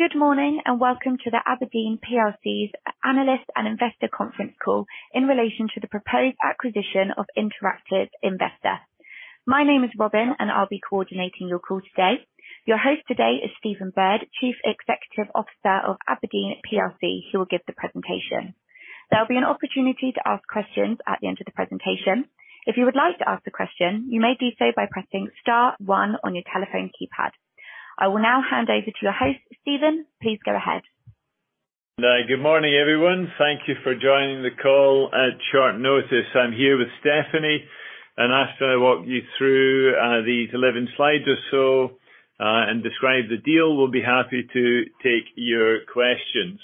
Good morning, and welcome to the abrdn plc's Analyst and Investor Conference call in relation to the proposed acquisition of interactive investor. My name is Robin, and I'll be coordinating your call today. Your host today is Stephen Bird, Chief Executive Officer of abrdn plc, who will give the presentation. There'll be an opportunity to ask questions at the end of the presentation. If you would like to ask a question, you may do so by pressing star one on your telephone keypad. I will now hand over to your host. Stephen, please go ahead. Good morning, everyone. Thank you for joining the call at short notice. I'm here with Stephanie. After I walk you through these 11 slides or so, and describe the deal, we'll be happy to take your questions.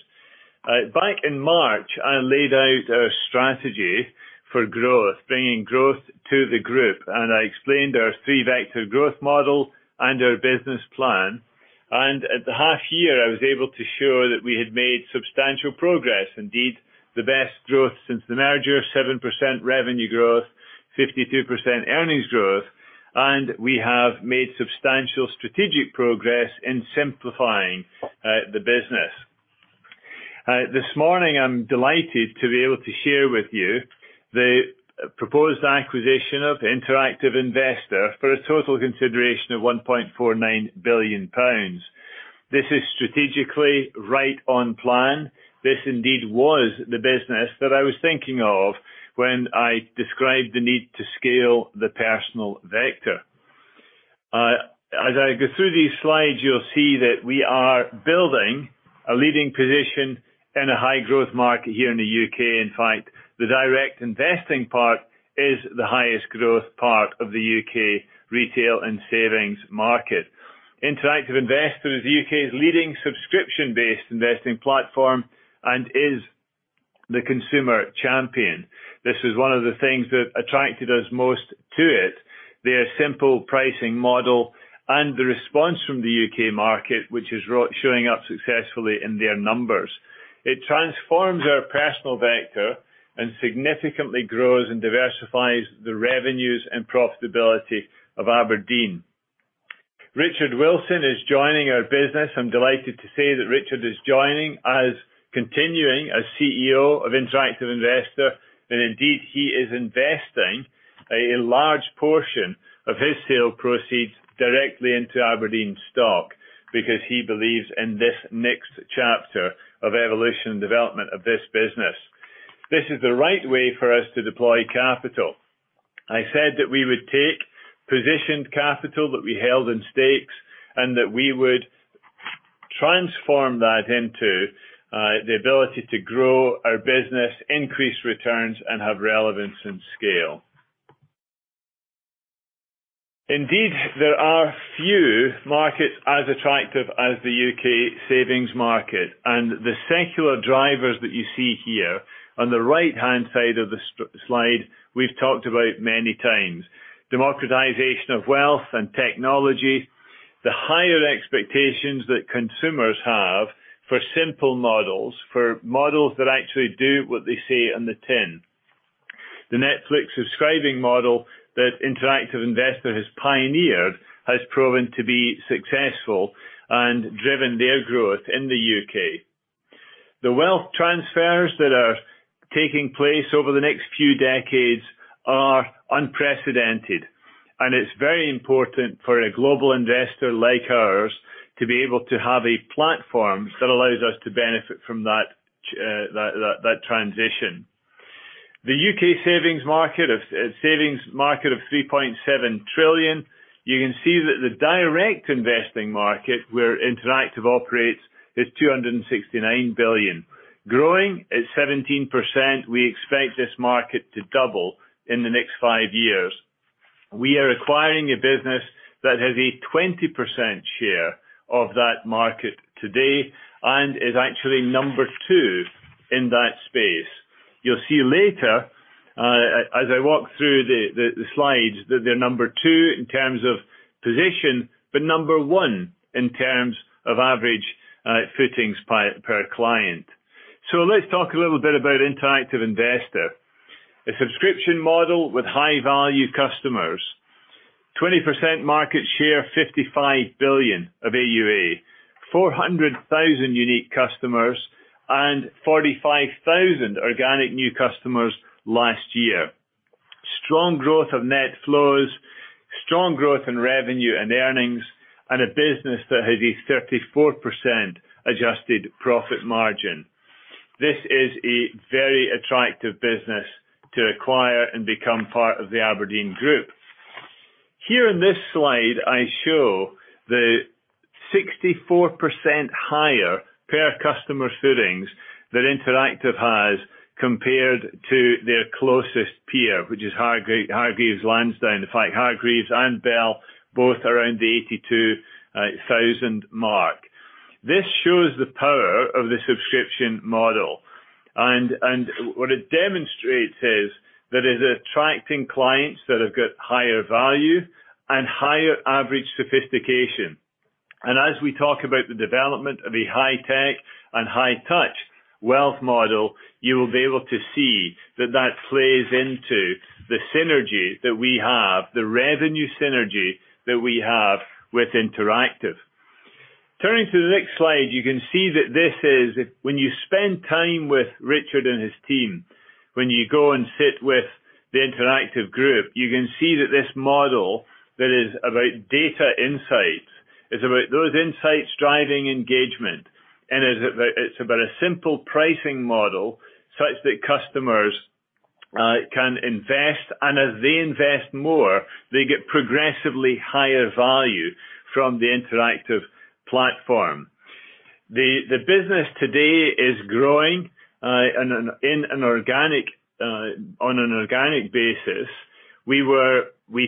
Back in March, I laid out our strategy for growth, bringing growth to the group, and I explained our three vector growth model and our business plan. At the half year, I was able to show that we had made substantial progress. Indeed, the best growth since the merger of 7% revenue growth, 52% earnings growth, and we have made substantial strategic progress in simplifying the business. This morning, I'm delighted to be able to share with you the proposed acquisition of interactive investor for a total consideration of 1.49 billion pounds. This is strategically right on plan. This indeed was the business that I was thinking of when I described the need to scale the personal vector. As I go through these slides, you'll see that we are building a leading position in a high-growth market here in the U.K. In fact, the direct investing part is the highest growth part of the U.K. retail and savings market. Interactive investor is U.K.'s leading subscription-based investing platform and is the consumer champion. This is one of the things that attracted us most to it, their simple pricing model and the response from the U.K. market, which is showing up successfully in their numbers. It transforms our personal vector and significantly grows and diversifies the revenues and profitability of abrdn. Richard Wilson is joining our business. I'm delighted to say that Richard is joining us continuing as CEO of interactive investor. Indeed, he is investing a large portion of his sale proceeds directly into abrdn stock because he believes in this next chapter of evolution and development of this business. This is the right way for us to deploy capital. I said that we would take positioned capital that we held in stakes, and that we would transform that into the ability to grow our business, increase returns, and have relevance and scale. Indeed, there are few markets as attractive as the U.K. savings market. The secular drivers that you see here on the right-hand side of the slide, we've talked about many times, democratization of wealth and technology, the higher expectations that consumers have for simple models, for models that actually do what they say on the tin. The Netflix subscribing model that interactive investor has pioneered has proven to be successful and driven their growth in the U.K. The wealth transfers that are taking place over the next few decades are unprecedented, and it's very important for a global investor like ours to be able to have a platform that allows us to benefit from that transition. The U.K. savings market of 3.7 trillion, you can see that the direct investing market where interactive investor operates is 269 billion. Growing at 17%, we expect this market to double in the next five years. We are acquiring a business that has a 20% share of that market today and is actually number two in that space. You'll see later, as I walk through the slides that they're number two in terms of position, but number one in terms of average holdings per client. Let's talk a little bit about interactive investor. A subscription model with high-value customers. 20% market share, 55 billion of AUA. 400,000 unique customers and 45,000 organic new customers last year. Strong growth of net flows, strong growth in revenue and earnings, and a business that has a 34% adjusted profit margin. This is a very attractive business to acquire and become part of the Aberdeen group. Here in this slide, I show the 64% higher per customer holdings that interactive investor has compared to their closest peer, which is Hargreaves Lansdown. In fact, Hargreaves Lansdown and AJ Bell both around the 82,000 mark. This shows the power of the subscription model. What it demonstrates is that it's attracting clients that have got higher value and higher average sophistication. As we talk about the development of a high-tech and high touch wealth model, you will be able to see that that plays into the synergy that we have, the revenue synergy that we have with interactive. Turning to the next slide, you can see that this is when you spend time with Richard and his team, when you go and sit with the interactive group, you can see that this model that is about data insights, is about those insights driving engagement. It's about a simple pricing model such that customers can invest, and as they invest more, they get progressively higher value from the interactive platform. The business today is growing on an organic basis. We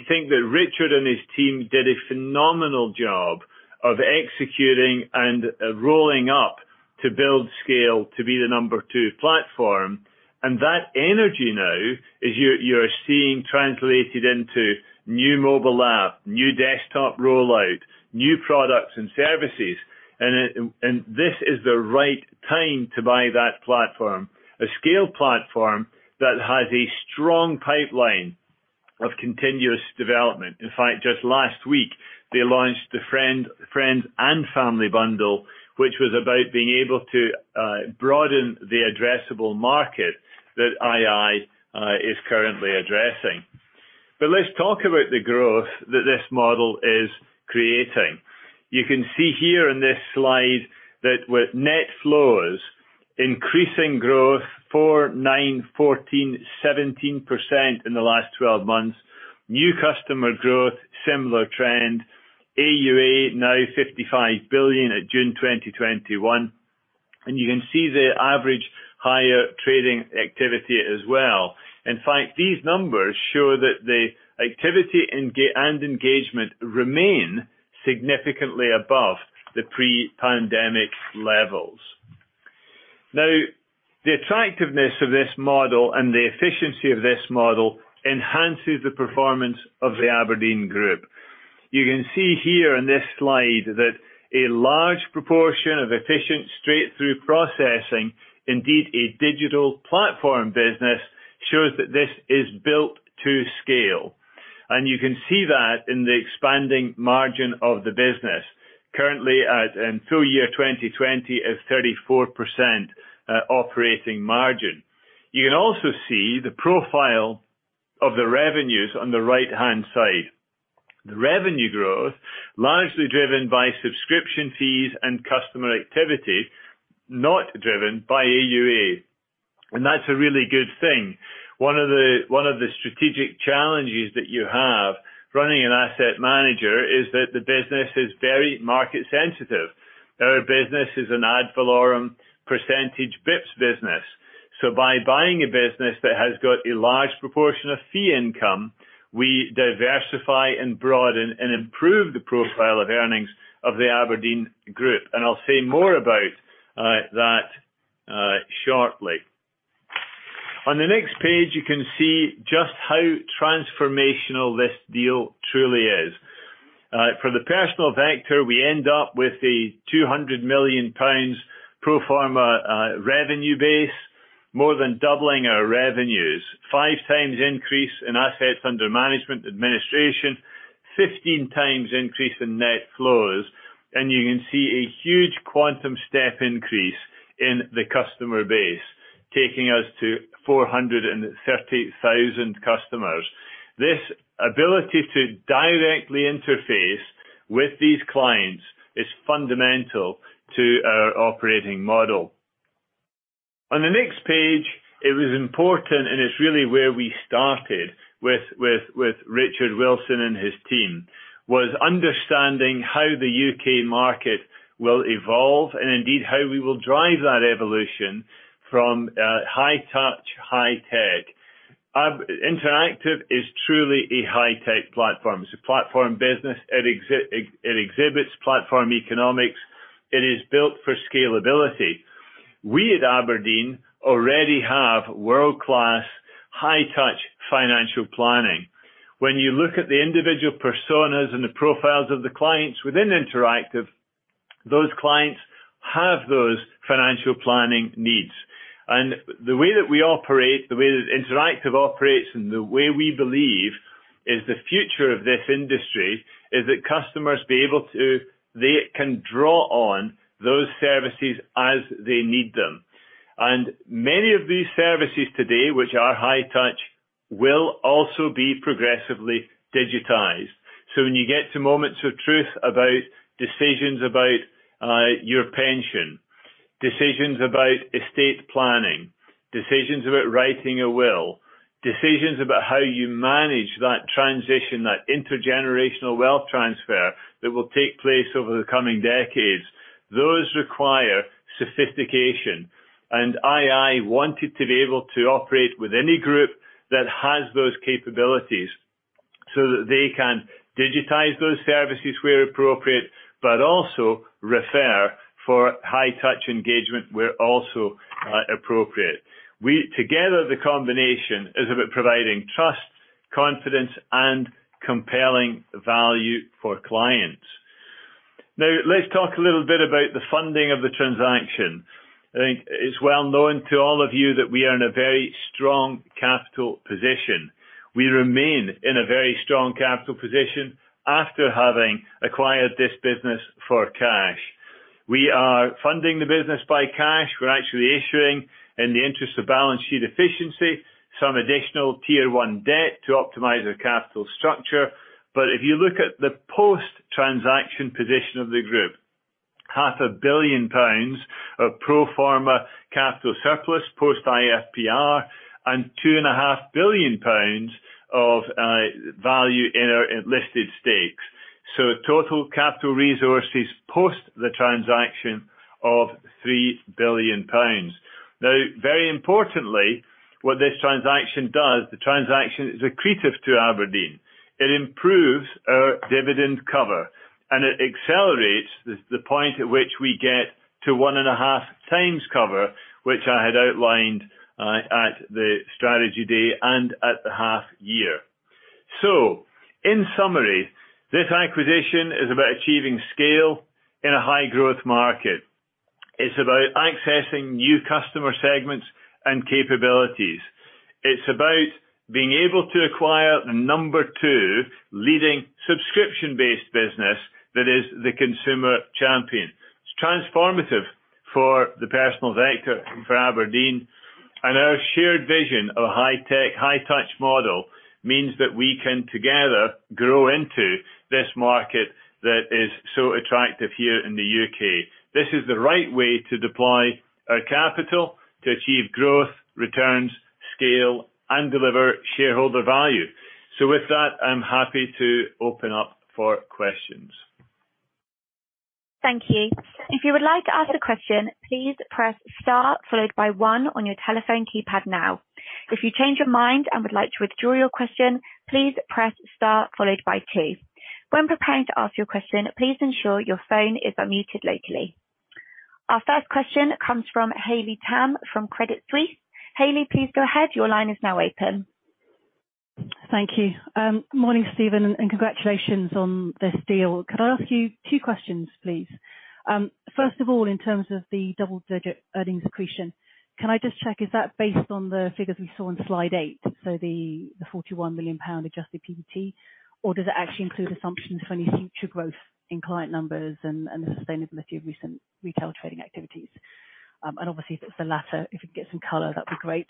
think that Richard and his team did a phenomenal job of executing and rolling up to build scale to be the number two platform. That energy now is you're seeing translated into new mobile app, new desktop rollout, new products and services. This is the right time to buy that platform. A scale platform that has a strong pipeline of continuous development. In fact, just last week, they launched the friends and family bundle, which was about being able to broaden the addressable market that II is currently addressing. Let's talk about the growth that this model is creating. You can see here in this slide that with net flows increasing growth 4%, 9%, 14%, 17% in the last 12 months. New customer growth, similar trend. AUA now 55 billion at June 2021. You can see the average higher trading activity as well. In fact, these numbers show that the activity and engagement remain significantly above the pre-pandemic levels. Now, the attractiveness of this model and the efficiency of this model enhances the performance of the Aberdeen Group. You can see here in this slide that a large proportion of efficient straight-through processing, indeed a digital platform business, shows that this is built to scale. You can see that in the expanding margin of the business. Currently at, in full year 2020 is 34% operating margin. You can also see the profile of the revenues on the right-hand side. The revenue growth largely driven by subscription fees and customer activity, not driven by AUA. That's a really good thing. One of the strategic challenges that you have running an asset manager is that the business is very market sensitive. Our business is an ad valorem percentage bps business. By buying a business that has got a large proportion of fee income, we diversify and broaden and improve the profile of earnings of the Aberdeen Group. I'll say more about that shortly. On the next page, you can see just how transformational this deal truly is. For the personal investor, we end up with a 200 million pounds pro forma revenue base, more than doubling our revenues. 5x increase in assets under management administration. 15x increase in net flows. You can see a huge quantum step increase in the customer base, taking us to 430,000 customers. This ability to directly interface with these clients is fundamental to our operating model. On the next page, it was important, and it's really where we started with Richard Wilson and his team, was understanding how the U.K. market will evolve, and indeed how we will drive that evolution from high touch, high tech. Interactive is truly a high-tech platform. It's a platform business. It exhibits platform economics. It is built for scalability. We at Aberdeen already have world-class high touch financial planning. When you look at the individual personas and the profiles of the clients within Interactive, those clients have those financial planning needs. The way that we operate, the way that Interactive operates, and the way we believe is the future of this industry, is that customers can draw on those services as they need them. Many of these services today, which are high touch, will also be progressively digitized. When you get to moments of truth about decisions about your pension, decisions about estate planning, decisions about writing a will, decisions about how you manage that transition, that intergenerational wealth transfer that will take place over the coming decades, those require sophistication. I wanted to be able to operate with any group that has those capabilities so that they can digitize those services where appropriate, but also refer for high touch engagement where also appropriate. Together, the combination is about providing trust, confidence and compelling value for clients. Now let's talk a little bit about the funding of the transaction. I think it's well known to all of you that we are in a very strong capital position. We remain in a very strong capital position after having acquired this business for cash. We are funding the business by cash. We're actually issuing in the interest of balance sheet efficiency, some additional tier-one debt to optimize our capital structure. If you look at the post-transaction position of the group, 500 million pounds of pro forma capital surplus post IFPR and 2.5 billion pounds of value in our listed stakes. Total capital resources post the transaction of 3 billion pounds. Now, very importantly, what this transaction does, the transaction is accretive to Aberdeen. It improves our dividend cover, and it accelerates the point at which we get to 1.5x cover, which I had outlined at the strategy day and at the half year. In summary, this acquisition is about achieving scale in a high growth market. It's about accessing new customer segments and capabilities. It's about being able to acquire the number two leading subscription-based business that is the consumer champion. It's transformative for the personal vector for Aberdeen, and our shared vision of a high-tech, high-touch model means that we can together grow into this market that is so attractive here in the U.K. This is the right way to deploy our capital to achieve growth, returns, scale and deliver shareholder value. With that, I'm happy to open up for questions. Thank you. If you would like to ask a question, please press star followed by one on your telephone keypad now. If you change your mind and would like to withdraw your question, please press star followed by two. When preparing to ask your question, please ensure your phone is unmuted locally. Our first question comes from Haley Tam from Credit Suisse. Haley, please go ahead. Your line is now open. Thank you. Good morning, Steven, and congratulations on this deal. Could I ask you two questions, please? First of all, in terms of the double-digit earnings accretion, can I just check, is that based on the figures we saw on slide eight, so the 41 million pound adjusted PBT, or does it actually include assumptions for any future growth in client numbers and the sustainability of recent retail trading activities? And obviously, if it's the latter, if you could get some color, that'd be great.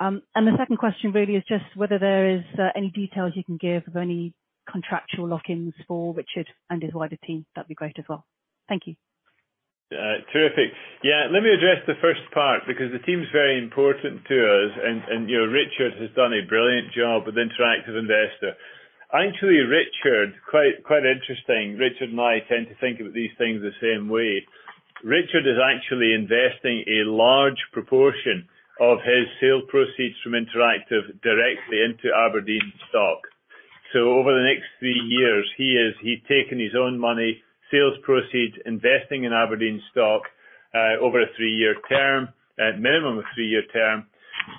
And the second question really is just whether there is any details you can give of any contractual lock-ins for Richard and his wider team. That'd be great as well. Thank you. Terrific. Yeah. Let me address the first part, because the team's very important to us and you know, Richard has done a brilliant job with interactive investor. Actually, Richard, quite interesting, Richard and I tend to think of these things the same way. Richard is actually investing a large proportion of his sale proceeds from interactive investor directly into abrdn stock. Over the next three years, he is taking his own money, sales proceeds, investing in abrdn stock, over a three-year term, at minimum a three-year term.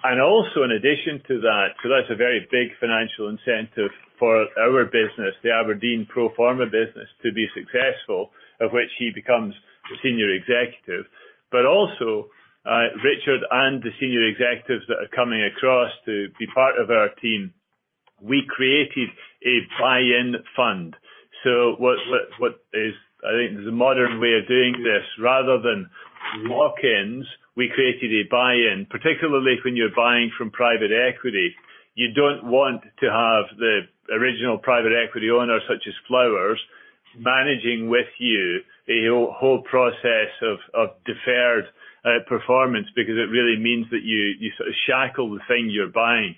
In addition to that's a very big financial incentive for our business, the Aberdeen pro forma business, to be successful, of which he becomes a senior executive. Richard and the senior executives that are coming across to be part of our team, we created a buy-in fund. What is, I think, the modern way of doing this. Rather than walk-ins, we created a buy-in. Particularly when you're buying from private equity, you don't want to have the original private equity owner, such as Flowers, managing with you the whole process of deferred performance, because it really means that you sort of shackle the thing you're buying.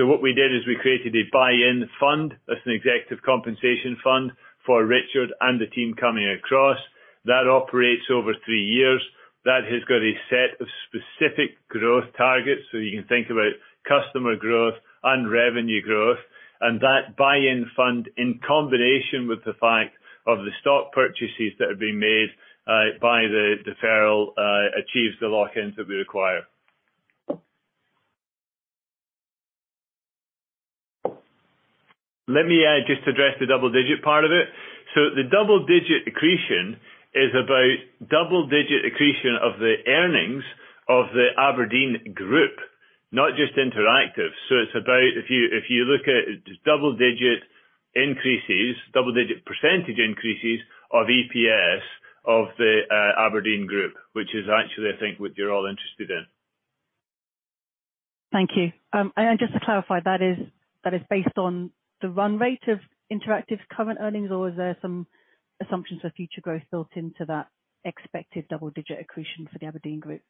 What we did is we created a buy-in fund. That's an executive compensation fund for Richard and the team coming across. That operates over three years. That has got a set of specific growth targets, so you can think about customer growth and revenue growth. That buy-in fund, in combination with the fact of the stock purchases that are being made by the deferral, achieves the lock-ins that we require. Let me just address the double digit part of it. The double digit accretion is about double digit accretion of the earnings of the Aberdeen Group, not just Interactive. It's about if you look at double digit increases, double digit percentage increases of EPS of the Aberdeen Group, which is actually, I think, what you're all interested in. Thank you. Just to clarify, that is based on the run rate of Interactive's current earnings or is there some assumptions for future growth built into that expected double-digit accretion for the Aberdeen Group?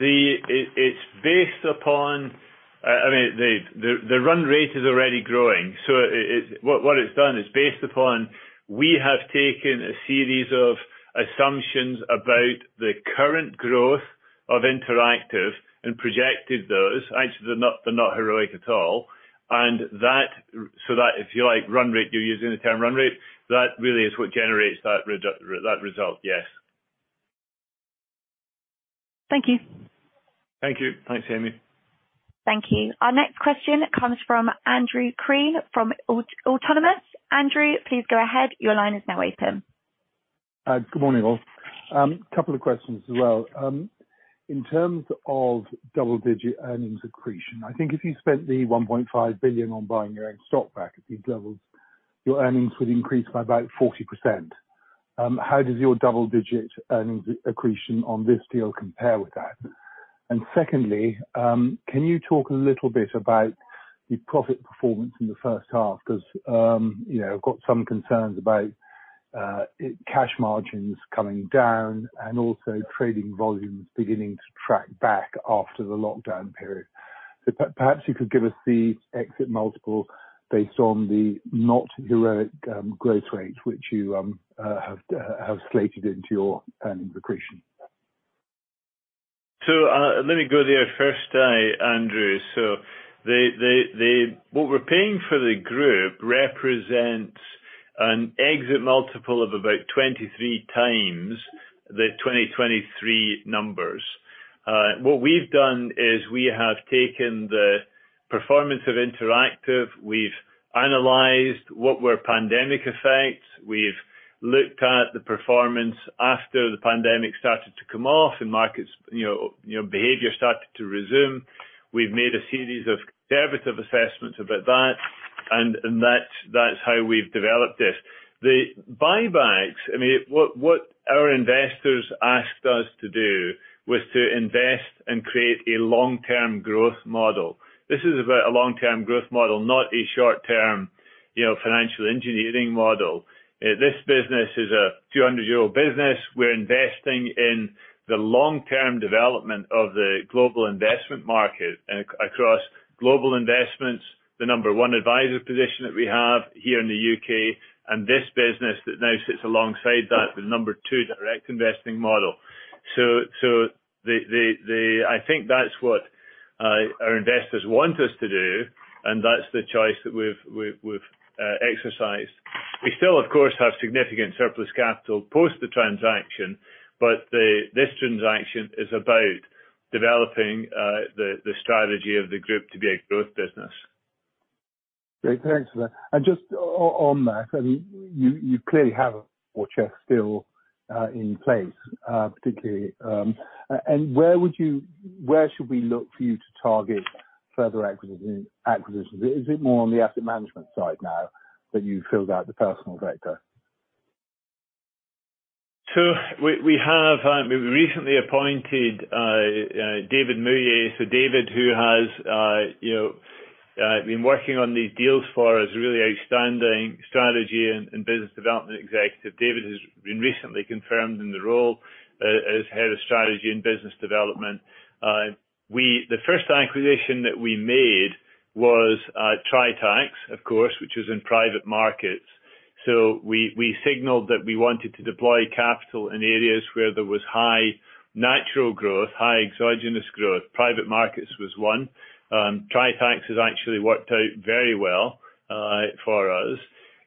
It's based upon, I mean, the run rate is already growing. What it's done is based upon we have taken a series of assumptions about the current growth of interactive and projected those. Actually, they're not heroic at all. That if you like run rate, you're using the term run rate, that really is what generates that result, yes. Thank you. Thank you. Thanks, Amy. Thank you. Our next question comes from Andrew Crean from Autonomous. Andrew, please go ahead. Your line is now open. Good morning, all. Couple of questions as well. In terms of double-digit earnings accretion, I think if you spent the 1.5 billion on buying your own stock back at these levels, your earnings would increase by about 40%. How does your double-digit earnings accretion on this deal compare with that? Secondly, can you talk a little bit about the profit performance in the first half? 'Cause, you know, I've got some concerns about cash margins coming down and also trading volumes beginning to track back after the lockdown period. Perhaps you could give us the exit multiple based on the not heroic growth rates which you have slated into your earnings accretion. Let me go there first, Andrew. What we're paying for the group represents an exit multiple of about 23x the 2023 numbers. What we've done is we have taken the performance of Interactive. We've analyzed what were pandemic effects. We've looked at the performance after the pandemic started to come off and markets, you know, behavior started to resume. We've made a series of conservative assessments about that, and that's how we've developed this. The buybacks, I mean, what our investors asked us to do was to invest and create a long-term growth model. This is about a long-term growth model, not a short-term, you know, financial engineering model. This business is a 200-year-old business. We're investing in the long-term development of the global investment market across global investments, the number one advisor position that we have here in the U.K., and this business that now sits alongside that, the number two direct investing model. I think that's what our investors want us to do, and that's the choice that we've exercised. We still, of course, have significant surplus capital post the transaction, but this transaction is about developing the strategy of the group to be a growth business. Great. Thanks for that. Just on that, I mean, you clearly have a war chest still in place, particularly where should we look for you to target further acquisitions? Is it more on the asset management side now that you've filled out the personal vector? We have recently appointed David Mouillé. David, who has been working on these deals for us, a really outstanding strategy and business development executive. David has been recently confirmed in the role as head of strategy and business development. The first acquisition that we made was Tritax, of course, which is in private markets. We signaled that we wanted to deploy capital in areas where there was high natural growth, high exogenous growth. Private markets was one. Tritax has actually worked out very well for us.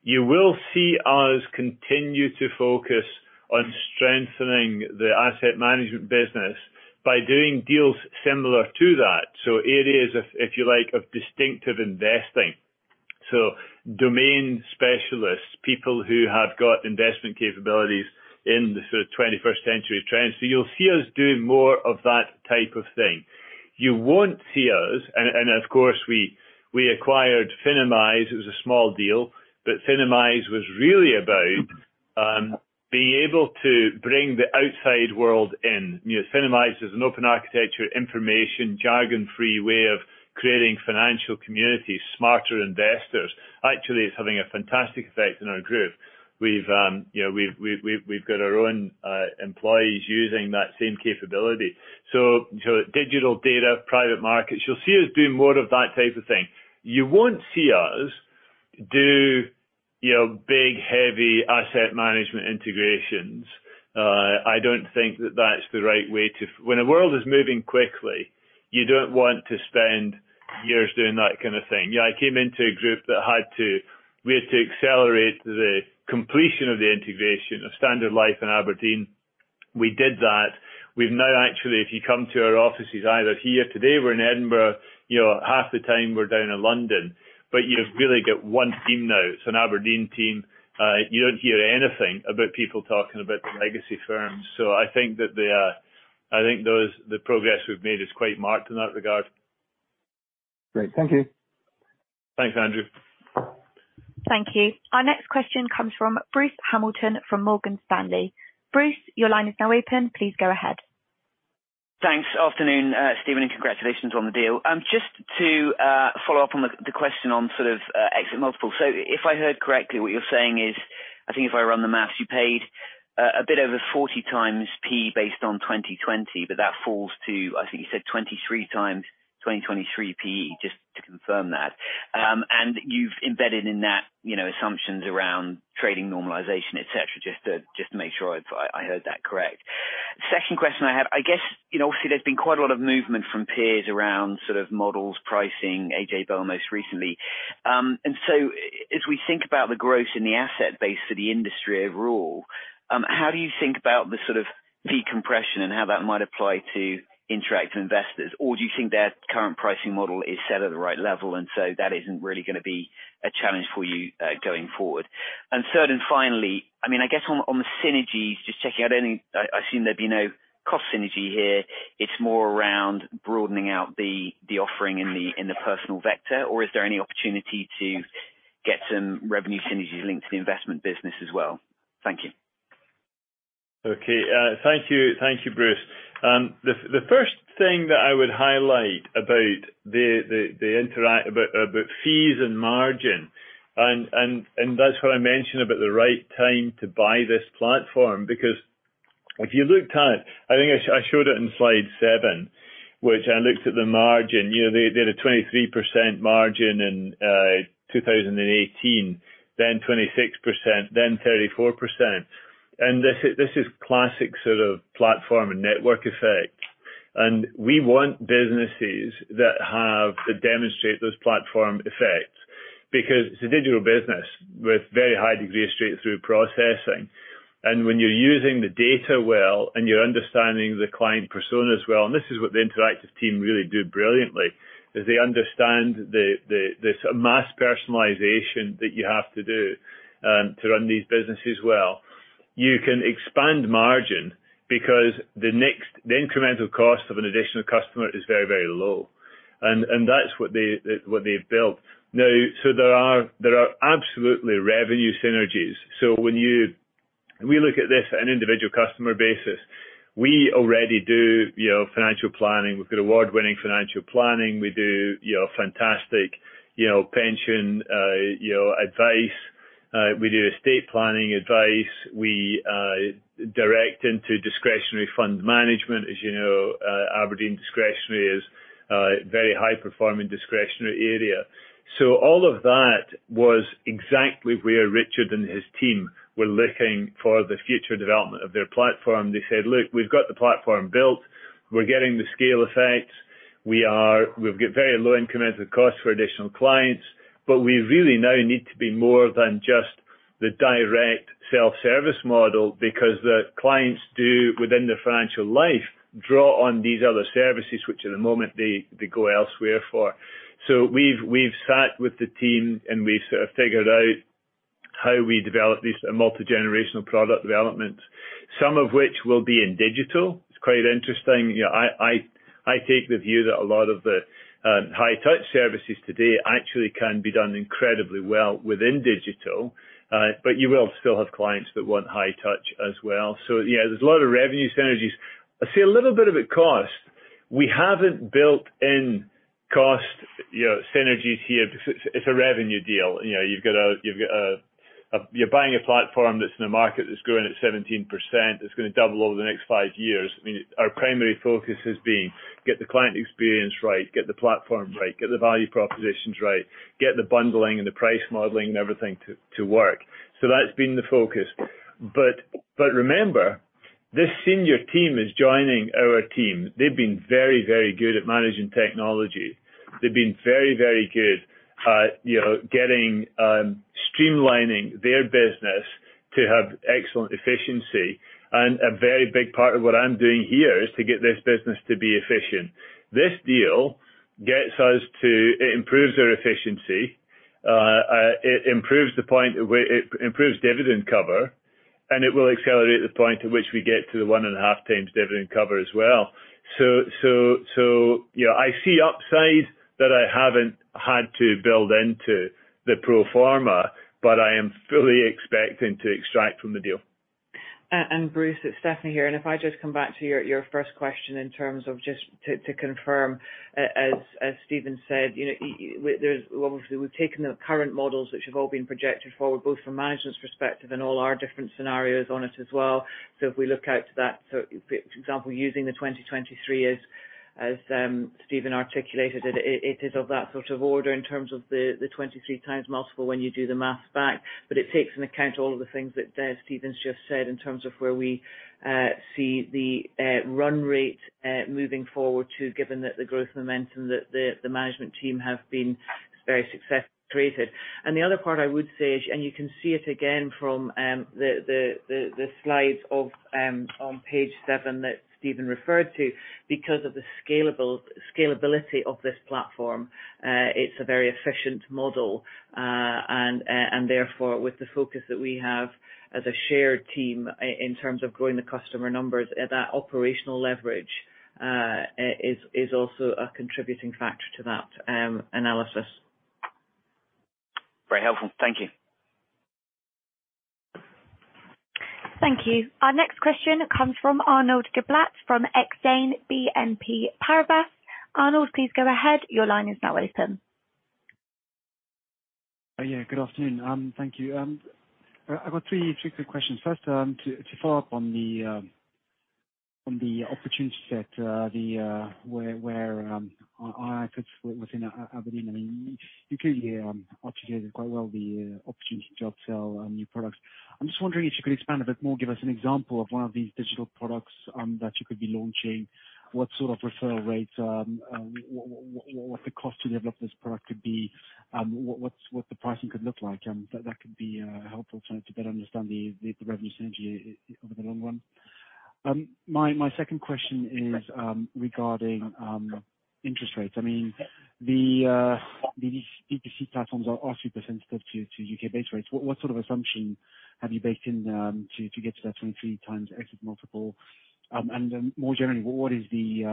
You will see us continue to focus on strengthening the asset management business by doing deals similar to that. Areas of distinctive investing, if you like. Domain specialists, people who have got investment capabilities in the sort of 21st century trends. You'll see us doing more of that type of thing. You won't see us. Of course we acquired Finimize. It was a small deal. Finimize was really about being able to bring the outside world in. You know, Finimize is an open architecture information, jargon-free way of creating financial communities, smarter investors. Actually, it's having a fantastic effect on our group. We've got our own employees using that same capability. Digital data, private markets, you'll see us doing more of that type of thing. You won't see us do, you know, big, heavy asset management integrations. I don't think that's the right way. When the world is moving quickly, you don't want to spend years doing that kind of thing. Yeah, I came into a group we had to accelerate the completion of the integration of Standard Life and Aberdeen. We did that. We've now actually, if you come to our offices, either here today we're in Edinburgh, you know, half the time we're down in London, but you really get one team now. It's an Aberdeen team. You don't hear anything about people talking about the legacy firms. I think the progress we've made is quite marked in that regard. Great. Thank you. Thanks, Andrew. Thank you. Our next question comes from Bruce Hamilton from Morgan Stanley. Bruce, your line is now open. Please go ahead. Thanks. Afternoon, Stephen, and congratulations on the deal. Just to follow up on the question on sort of exit multiples. If I heard correctly, what you're saying is, I think if I run the math, you paid a bit over 40x P based on 2020, but that falls to, I think you said 23x 2023 P, just to confirm that. And you've embedded in that, you know, assumptions around trading normalization, et cetera, just to make sure I've heard that correct. Second question I have, I guess, you know, obviously there's been quite a lot of movement from peers around sort of models, pricing, AJ Bell most recently. As we think about the growth in the asset base for the industry overall, how do you think about the sort of fee compression and how that might apply to interactive investor? Or do you think their current pricing model is set at the right level, and so that isn't really gonna be a challenge for you going forward? Third, and finally, I mean, I guess on the synergies, just checking, I assume there'd be no cost synergy here. It's more around broadening out the offering in the personal sector. Or is there any opportunity to get some revenue synergies linked to the investment business as well? Thank you. Okay. Thank you, Bruce. The first thing that I would highlight about the interactive, about fees and margin, and that's what I mentioned about the right time to buy this platform. Because if you looked at, I think I showed it in slide seven, which I looked at the margin. You know, they did a 23% margin in 2018, then 26%, then 34%. This is classic sort of platform and network effect. We want businesses that have that demonstrate those platform effects because it's a digital business with very high degree of straight-through processing. When you're using the data well, and you're understanding the client personas well, and this is what the interactive investor team really do brilliantly, is they understand the sort of mass personalization that you have to do to run these businesses well. You can expand margin because the incremental cost of an additional customer is very, very low. That's what they've built. There are absolutely revenue synergies. When we look at this at an individual customer basis, we already do financial planning. We've got award-winning financial planning. We do fantastic pension advice. We do estate planning advice. We direct into discretionary fund management. As you know, Aberdeen Discretionary is a very high-performing discretionary area. All of that was exactly where Richard and his team were looking for the future development of their platform. They said, "Look, we've got the platform built. We're getting the scale effects. We've got very low incremental costs for additional clients, but we really now need to be more than just the direct self-service model because the clients do, within their financial life, draw on these other services, which in the moment they go elsewhere for." We've sat with the team, and we sort of figured out how we develop these multigenerational product developments, some of which will be in digital. It's quite interesting. You know, I take the view that a lot of the high-touch services today actually can be done incredibly well within digital. But you will still have clients that want high touch as well. Yeah, there's a lot of revenue synergies. I see a little bit of cost. We haven't built in cost synergies here because it's a revenue deal. You've got a platform that's in a market that's growing at 17%. It's gonna double over the next five years. Our primary focus has been to get the client experience right, get the platform right, get the value propositions right, get the bundling and the price modeling and everything to work. That's been the focus. Remember, this senior team is joining our team. They've been very good at managing technology. They've been very good at streamlining their business to have excellent efficiency. A very big part of what I'm doing here is to get this business to be efficient. This deal gets us to it. It improves their efficiency. It improves the point at where it improves dividend cover, and it will accelerate the point at which we get to the 1.5x dividend cover as well. So, you know, I see upside that I haven't had to build into the pro forma, but I am fully expecting to extract from the deal. Bruce, it's Stephanie here. If I just come back to your first question in terms of just to confirm. As Stephen said, you know, there's obviously we've taken the current models which have all been projected forward, both from management's perspective and all our different scenarios on it as well. If we look out to that, for example, using the 2023 as Stephen articulated it is of that sort of order in terms of the 23x multiple when you do the math back. It takes into account all of the things that Stephen's just said in terms of where we see the run rate moving forward too, given that the growth momentum that the management team have been very successful created. The other part I would say is, and you can see it again from the slides on page seven that Stephen referred to. Because of the scalability of this platform, it's a very efficient model. Therefore, with the focus that we have as a shared team in terms of growing the customer numbers, that operational leverage is also a contributing factor to that analysis. Very helpful. Thank you. Thank you. Our next question comes from Arnaud Giblat from Exane BNP Paribas. Arnaud, please go ahead. Your line is now open. Yeah, good afternoon. Thank you. I've got three quick questions. First, to follow up on the opportunity set, the where ii was in Aberdeen. I mean, you clearly articulated quite well the opportunity to upsell new products. I'm just wondering if you could expand a bit more, give us an example of one of these digital products that you could be launching. What sort of referral rates, what the cost to develop this product could be, what the pricing could look like? That could be helpful to better understand the revenue synergy over the long run. My second question is regarding interest rates. I mean, these B2C platforms are awfully sensitive to U.K. base rates. What sort of assumption have you baked in to get to that 23x exit multiple? And then more generally, what is the interest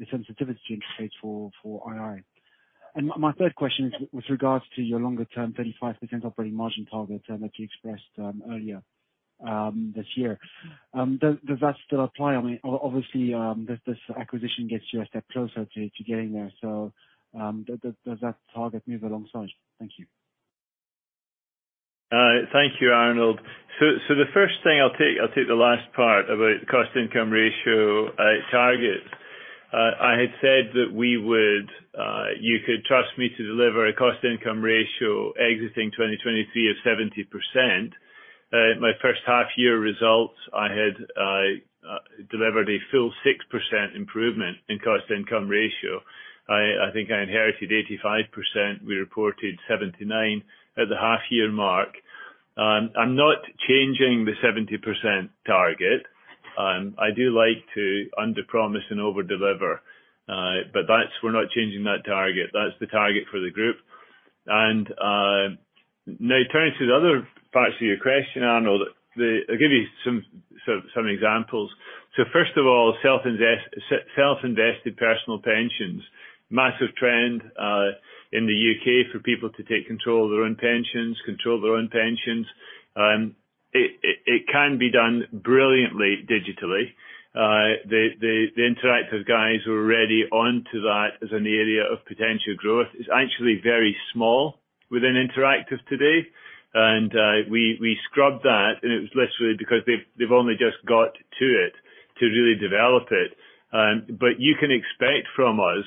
rate sensitivity for II? And my third question is with regards to your longer term 35% operating margin targets that you expressed earlier this year. Does that still apply? I mean, obviously, this acquisition gets you a step closer to getting there. Does that target move alongside? Thank you. Thank you, Arnaud. The first thing I'll take the last part about cost-income ratio target. You could trust me to deliver a cost-income ratio exiting 2023 of 70%. My first half year results, I had delivered a full 6% improvement in cost-income ratio. I think I inherited 85%. We reported 79% at the half year mark. I'm not changing the 70% target. I do like to under promise and over deliver. But that's. We're not changing that target. That's the target for the group. Now turning to the other parts of your question, Arnaud. I'll give you some examples. First of all, self-invested personal pensions. Massive trend in the U.K. for people to take control of their own pensions. It can be done brilliantly digitally. The Interactive guys were already onto that as an area of potential growth. It's actually very small within Interactive today. We scrubbed that, and it was literally because they've only just got to it to really develop it. You can expect from us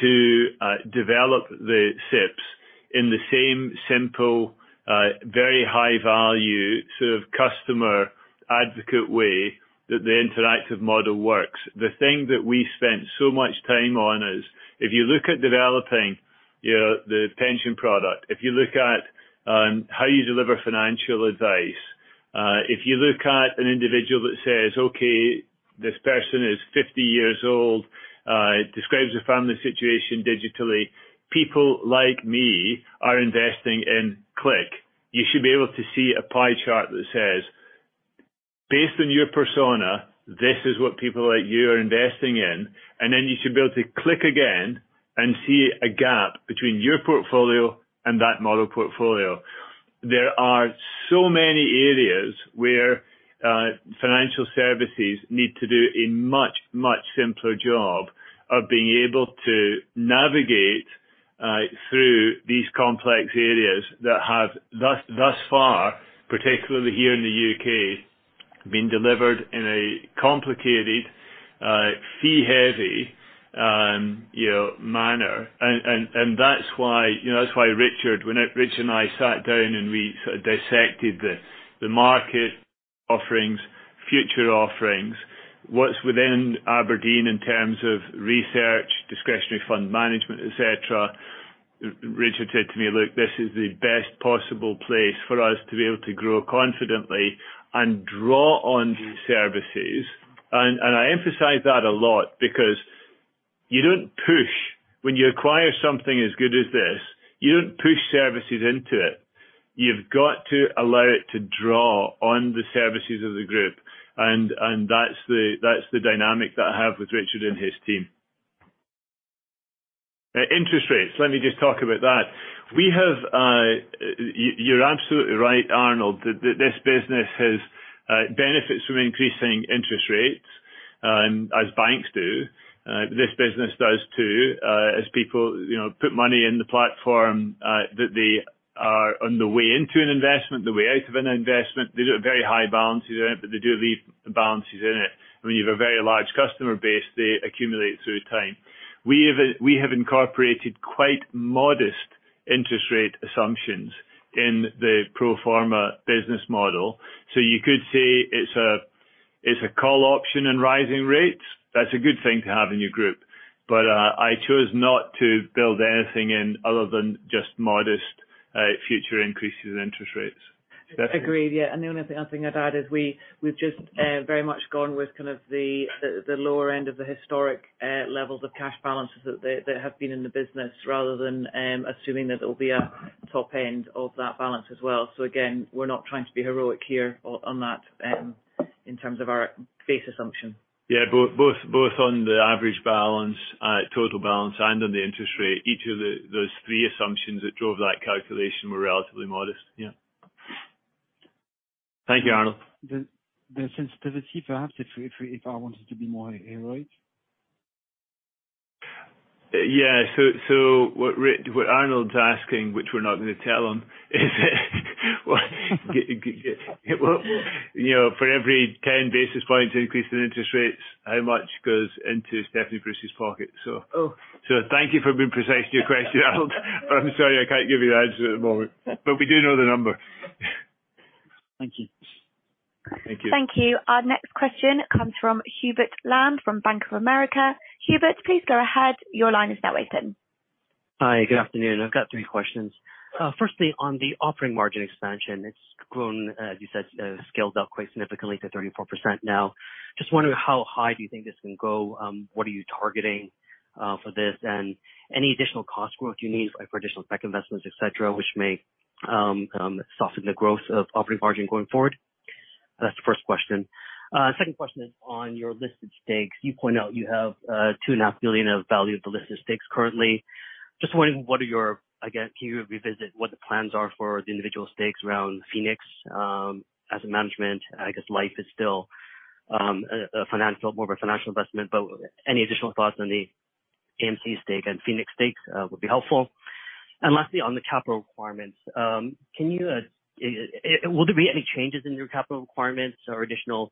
to develop the SIPPs in the same simple, very high value sort of customer advocate way that the Interactive model works. The thing that we spent so much time on is, if you look at developing the pension product, if you look at how you deliver financial advice, if you look at an individual that says, "Okay, this person is 50 years old," describes the family situation digitally. People like me are investing in Click. You should be able to see a pie chart that says, "Based on your persona, this is what people like you are investing in." Then you should be able to click again and see a gap between your portfolio and that model portfolio. There are so many areas where financial services need to do a much, much simpler job of being able to navigate through these complex areas that have thus far, particularly here in the U.K., been delivered in a complicated, fee heavy, you know, manner. That's why, you know, that's why Richard. When Rich and I sat down and we sort of dissected the market offerings, future offerings, what's within Aberdeen in terms of research, discretionary fund management, et cetera, Richard said to me, "Look, this is the best possible place for us to be able to grow confidently and draw on services." I emphasize that a lot because you don't push. When you acquire something as good as this, you don't push services into it. You've got to allow it to draw on the services of the group, and that's the dynamic that I have with Richard and his team. Interest rates, let me just talk about that. You're absolutely right, Arnaud. This business has benefits from increasing interest rates, as banks do. This business does too, as people, you know, put money in the platform, that they are on the way into an investment, the way out of an investment. They don't have very high balances in it, but they do leave balances in it. When you have a very large customer base, they accumulate through time. We have incorporated quite modest interest rate assumptions in the pro forma business model. So you could say it's a call option in rising rates. That's a good thing to have in your group. I chose not to build anything in other than just modest, future increases in interest rates. Stephanie? Agreed. Yeah. The only thing, other thing I'd add is we've just very much gone with kind of the lower end of the historic levels of cash balances that have been in the business, rather than assuming that it'll be a top end of that balance as well. Again, we're not trying to be heroic here on that, in terms of our base assumption. Yeah. Both on the average balance, total balance and on the interest rate. Each of those three assumptions that drove that calculation were relatively modest. Yeah. Thank you, Arnaud. The sensitivity, perhaps, if I wanted to be more heroic? What Arnaud's asking, which we're not gonna tell him, is well, you know, for every 10 basis points increase in interest rates, how much goes into Stephanie Bruce's pocket? Oh. Thank you for being precise in your question, Arnaud. I'm sorry I can't give you the answer at the moment. We do know the number. Thank you. Thank you. Thank you. Our next question comes from Hubert Lam from Bank of America. Hubert, please go ahead. Your line is now open. Hi, good afternoon. I've got three questions. Firstly, on the operating margin expansion, it's grown, you said, scaled up quite significantly to 34% now. Just wondering how high do you think this can go? What are you targeting for this? And any additional cost growth you need, like for additional capex investments, et cetera, which may soften the growth of operating margin going forward? That's the first question. Second question is on your listed stakes. You point out you have 2.5 million of value of the listed stakes currently. Just wondering what are your. Again, can you revisit what the plans are for the individual stakes around Phoenix as management? I guess Phoenix Life is still a financial, more of a financial investment, but any additional thoughts on the AMC stake and Phoenix stakes would be helpful. Lastly, on the capital requirements, will there be any changes in your capital requirements or additional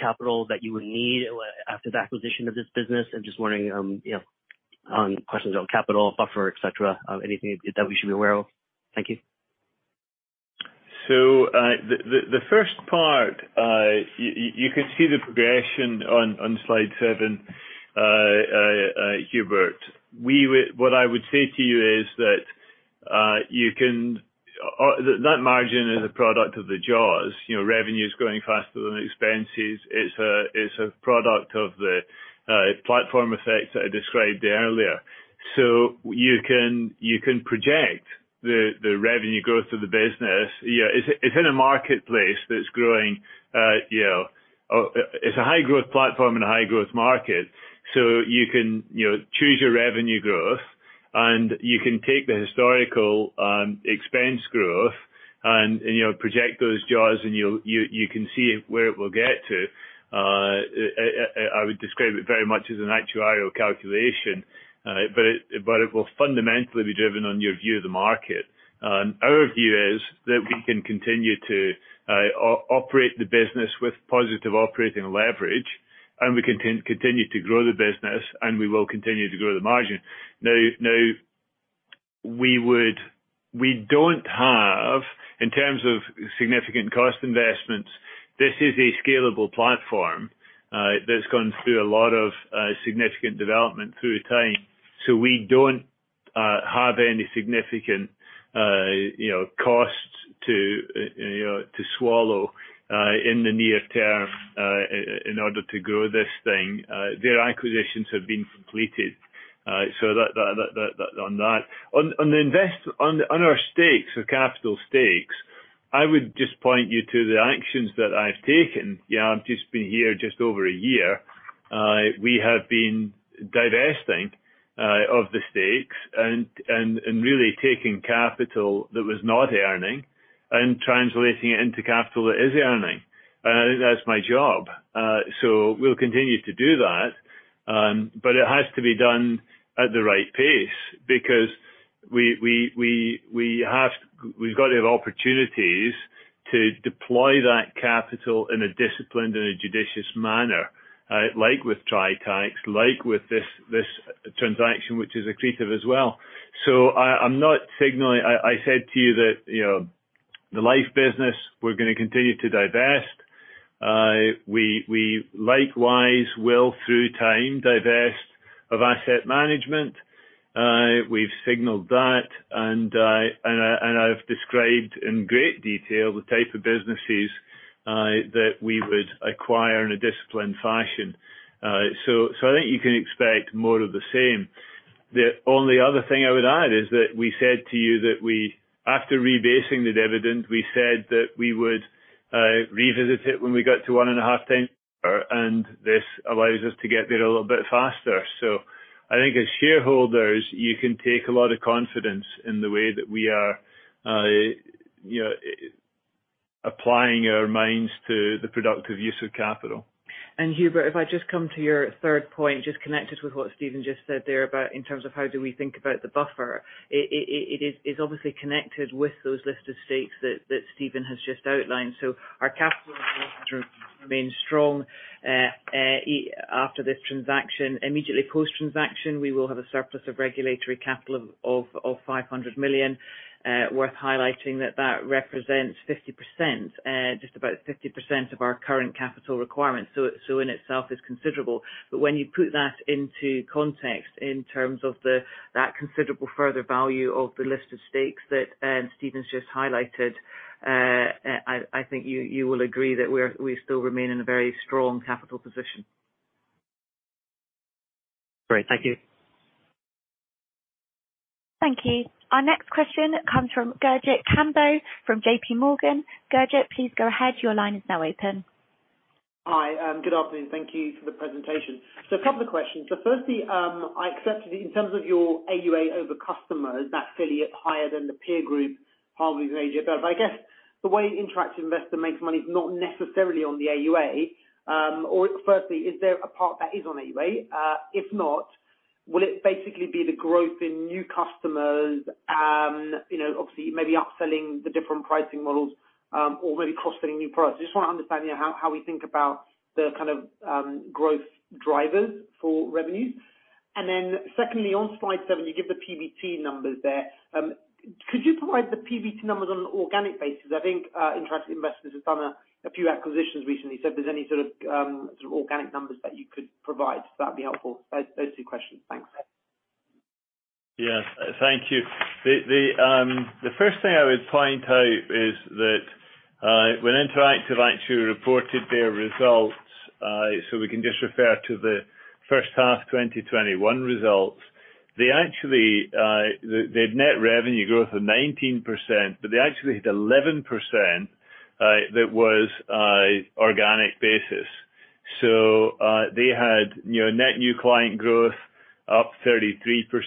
capital that you would need after the acquisition of this business? I'm just wondering, you know, on questions on capital, buffer, et cetera, anything that we should be aware of. Thank you. The first part, you can see the progression on slide seven, Hubert. What I would say to you is that that margin is a product of the jaws. You know, revenue is growing faster than expenses. It's a product of the platform effects that I described earlier. You can project the revenue growth of the business. Yeah, it's in a marketplace that's growing, you know. It's a high growth platform in a high growth market, so you can choose your revenue growth, and you can take the historical expense growth and project those jaws and you can see where it will get to. I would describe it very much as an actuarial calculation. It will fundamentally be driven on your view of the market. Our view is that we can continue to operate the business with positive operating leverage, and we continue to grow the business, and we will continue to grow the margin. We don't have in terms of significant cost investments. This is a scalable platform that's gone through a lot of significant development through time. We don't have any significant you know costs to you know to swallow in the near term in order to grow this thing. Their acquisitions have been completed, so that on that. On our stakes, the capital stakes, I would just point you to the actions that I've taken. Yeah, I've just been here just over a year. We have been divesting of the stakes and really taking capital that was not earning and translating it into capital that is earning. That's my job. So we'll continue to do that. But it has to be done at the right pace because we have. We've got to have opportunities to deploy that capital in a disciplined and a judicious manner, like with Tritax, like with this transaction, which is accretive as well. So I'm not signaling. I said to you that, you know, the Life business, we're gonna continue to divest. We likewise will, through time, divest of asset management. We've signaled that, and I've described in great detail the type of businesses that we would acquire in a disciplined fashion. I think you can expect more of the same. The only other thing I would add is that after rebasing the dividend, we said that we would revisit it when we got to 1.5x. This allows us to get there a little bit faster. I think as shareholders, you can take a lot of confidence in the way that we are, you know, applying our minds to the productive use of capital. Hubert, if I just come to your third point, just connected with what Stephen just said there about in terms of how do we think about the buffer. It is obviously connected with those listed stakes that Stephen has just outlined. Our capital remains strong after this transaction. Immediately post-transaction, we will have a surplus of regulatory capital of 500 million. Worth highlighting that that represents 50%, just about 50% of our current capital requirements. In itself is considerable. When you put that into context in terms of that considerable further value of the listed stakes that Stephen's just highlighted, I think you will agree that we still remain in a very strong capital position. Great. Thank you. Thank you. Our next question comes from Gurjit Kambo from JP Morgan. Gurjit, please go ahead. Your line is now open. Hi, good afternoon. Thank you for the presentation. A couple of questions. Firstly, I accept in terms of your AUA over customers, that's a little higher than the peer group, hardly major. I guess the way an interactive investor makes money is not necessarily on the AUA. Firstly, is there a part that is on AUA? If not, will it basically be the growth in new customers and, you know, obviously maybe upselling the different pricing models, or really cross-selling new products? I just want to understand, you know, how we think about the kind of growth drivers for revenues. Secondly, on slide seven, you give the PBT numbers there. Could you provide the PBT numbers on an organic basis? I think, interactive investor have done a few acquisitions recently. If there's any sort of organic numbers that you could provide, that'd be helpful. Those two questions. Thanks. Yes. Thank you. The first thing I would point out is that when Interactive actually reported their results, we can just refer to the first half 2021 results. They actually had net revenue growth of 19%, but they actually had 11% that was organic basis. They had, you know, net new client growth up 33%.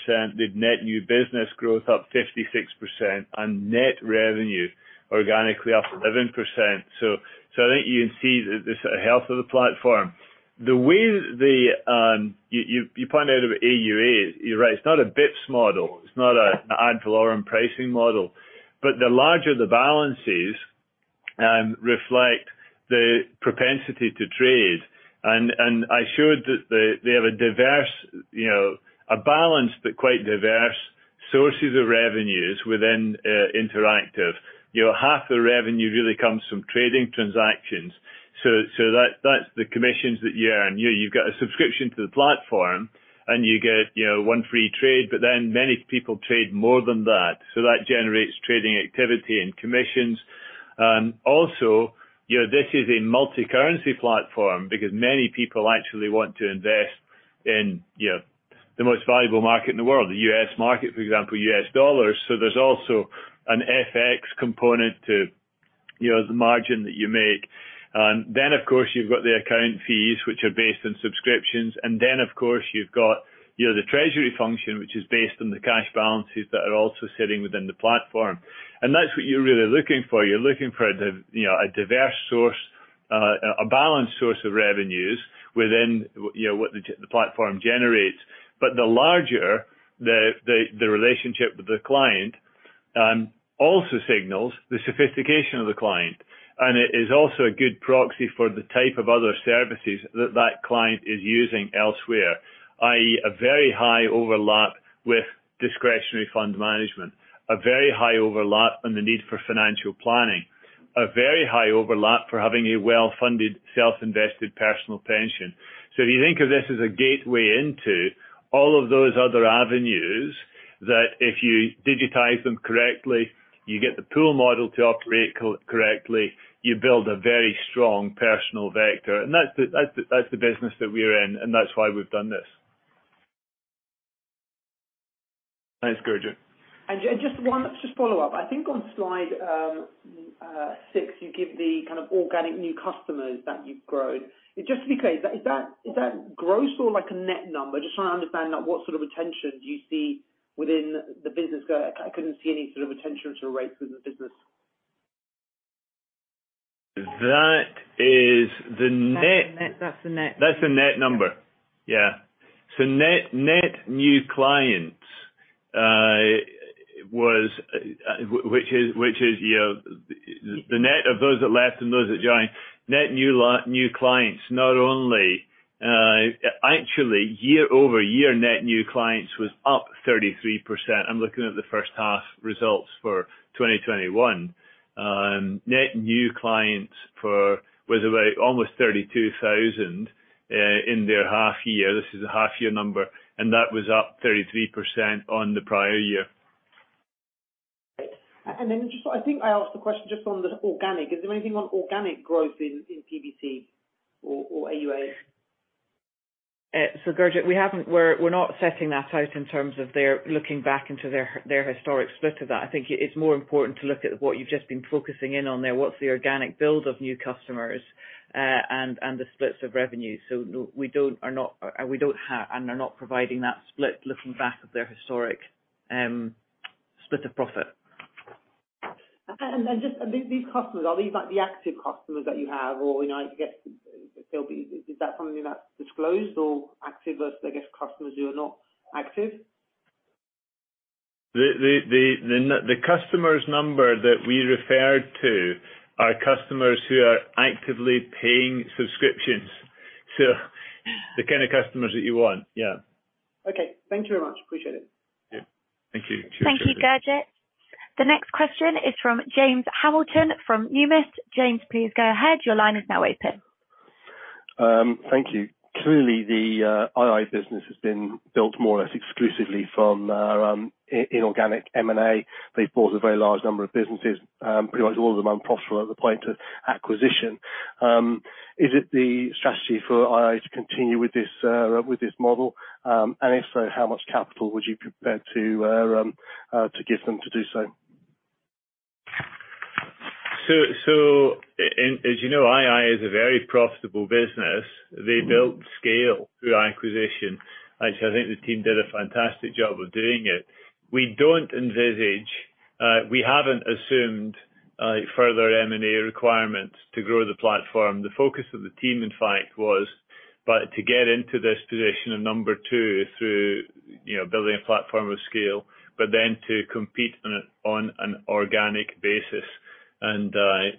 They have net new business growth up 56%. And net revenue organically up 11%. I think you can see the sort of health of the platform. The way you pointed out about AUAs, you're right. It's not a bps model. It's not an ad valorem pricing model. But the larger the balance is reflect the propensity to trade. I showed that they have a diverse, you know, a balance but quite diverse sources of revenues within Interactive. You know, half the revenue really comes from trading transactions. That's the commissions that you earn. You've got a subscription to the platform, and you get, you know, one free trade, but then many people trade more than that. That generates trading activity and commissions. Also, you know, this is a multicurrency platform because many people actually want to invest in, you know, the most valuable market in the world, the U.S. market, for example, U.S. dollars. There's also an FX component to, you know, the margin that you make. Then, of course, you've got the account fees, which are based on subscriptions. Of course, you've got, you know, the treasury function, which is based on the cash balances that are also sitting within the platform. That's what you're really looking for. You're looking for a diverse source, a balanced source of revenues within, you know, what the platform generates. But the larger the relationship with the client also signals the sophistication of the client. It is also a good proxy for the type of other services that that client is using elsewhere, i.e., a very high overlap with discretionary fund management, a very high overlap and the need for financial planning, a very high overlap for having a well-funded, self-invested personal pension. If you think of this as a gateway into all of those other avenues, that if you digitize them correctly, you get the pool model to operate correctly, you build a very strong personal vector. That's the business that we're in, and that's why we've done this. Thanks, Gurjit. Just one follow-up. I think on slide 6, you give the kind of organic new customers that you've grown. Just to be clear, is that gross or like a net number? Just trying to understand, like, what sort of retention do you see within the business. I couldn't see any sort of retention rates within the business. That is the net- That's the net. That's the net number. Net new clients, which is, you know, the net of those that left and those that joined. Net new clients not only actually year-over-year, net new clients was up 33%. I'm looking at the first half results for 2021. Net new clients was about almost 32,000 in their half year. This is a half year number, and that was up 33% on the prior year. Great. Just I think I asked the question just on the organic. Is there anything on organic growth in PBT or AUAs? Gurjit, we're not setting that out in terms of their looking back into their historic split of that. I think it's more important to look at what you've just been focusing in on there. What's the organic build of new customers and the splits of revenue. No, we are not. We don't have and are not providing that split looking back at their historic split of profit. Just these customers, are these like the active customers that you have or, you know, I guess they'll be. Is that something that's disclosed or active versus, I guess, customers who are not active? The customers number that we referred to are customers who are actively paying subscriptions. The kind of customers that you want. Yeah. Okay. Thank you very much. Appreciate it. Yeah. Thank you. Thank you, Gurjit. The next question is from James Hamilton from Numis. James, please go ahead. Your line is now open. Thank you. Clearly, the II business has been built more or less exclusively from inorganic M&A. They've bought a very large number of businesses, pretty much all of them unprofitable at the point of acquisition. Is it the strategy for II to continue with this model? If so, how much capital would you be prepared to give them to do so? As you know, II is a very profitable business. They built scale through acquisition. Actually, I think the team did a fantastic job of doing it. We don't envisage, we haven't assumed, further M&A requirements to grow the platform. The focus of the team, in fact, was to get into this position of number two through, you know, building a platform of scale, but then to compete on an organic basis. That's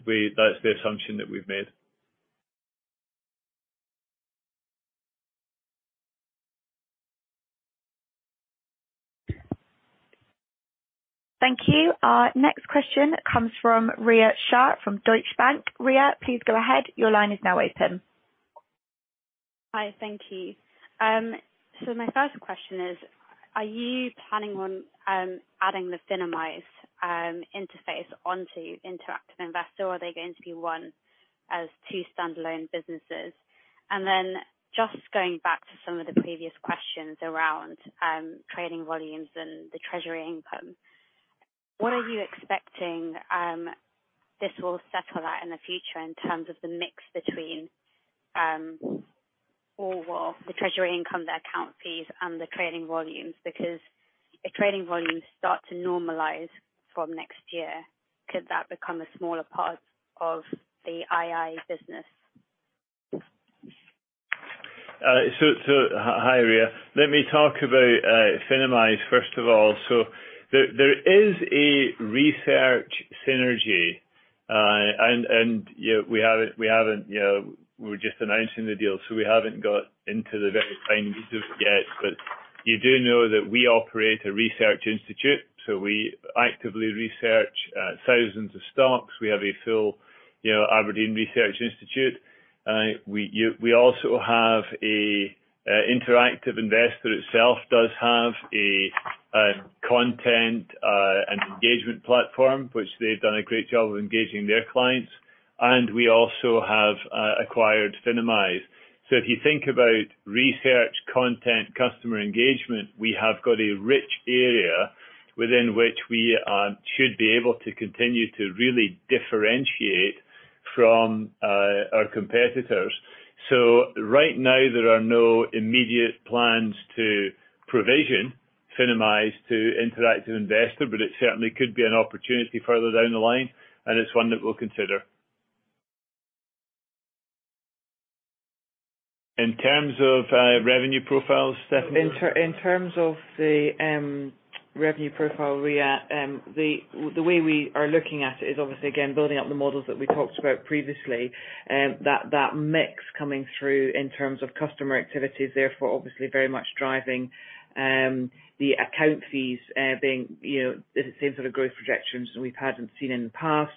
the assumption that we've made. Thank you. Our next question comes from Rhea Shah from Deutsche Bank. Rhea, please go ahead. Your line is now open. Hi. Thank you. My first question is, are you planning on adding the Finimize interface onto interactive investor, or are they going to be one or two standalone businesses? Just going back to some of the previous questions around trading volumes and the treasury income, what are you expecting this will settle at in the future in terms of the mix between overall the treasury income, the account fees and the trading volumes? Because if trading volumes start to normalize from next year, could that become a smaller part of the ii business? Hi, Rhea. Let me talk about Finimize, first of all. There is a research synergy, and you know, we haven't you know, we're just announcing the deal, so we haven't got into the very fine pieces yet. You do know that we operate a research institute, so we actively research thousands of stocks. We have a full Aberdeen research institute. We also have a interactive investor itself does have a content and engagement platform, which they've done a great job of engaging their clients. We also have acquired Finimize. If you think about research, content, customer engagement, we have got a rich area within which we should be able to continue to really differentiate from our competitors. Right now there are no immediate plans to provision Finimize to interactive investor, but it certainly could be an opportunity further down the line, and it's one that we'll consider. In terms of revenue profiles, Stephanie? In terms of the revenue profile, Rhea, the way we are looking at it is obviously again building up the models that we talked about previously. That mix coming through in terms of customer activities, therefore obviously very much driving the account fees, being, you know, the same sort of growth projections we've had seen in the past.